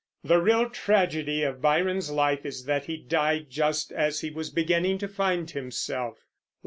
The real tragedy of Byron's life is that he died just as he was beginning to find himself.